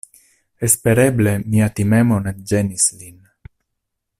Espereble mia timemo ne ĝenis lin.